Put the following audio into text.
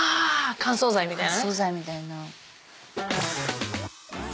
乾燥剤みたいな。